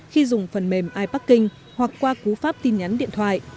khi dùng phần mềm iparking hoặc qua cú pháp tin nhắn điện thoại